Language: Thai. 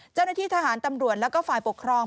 เจ้าหน้าที่ทหารตำรวจแล้วก็ฝ่ายปกครอง